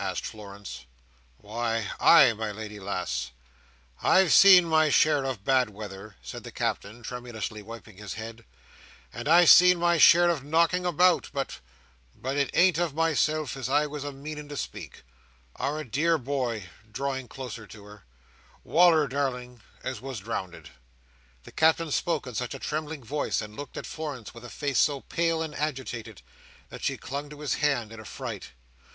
asked Florence. "Why ay, my lady lass, I've seen my share of bad weather," said the Captain, tremulously wiping his head, "and I've had my share of knocking about; but—but it ain't of myself as I was a meaning to speak. Our dear boy," drawing closer to her, "Wal"r, darling, as was drownded." The Captain spoke in such a trembling voice, and looked at Florence with a face so pale and agitated, that she clung to his hand in affright.